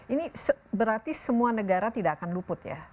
ini berarti semua negara tidak akan luput ya